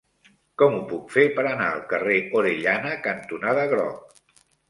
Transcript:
Com ho puc fer per anar al carrer Orellana cantonada Groc?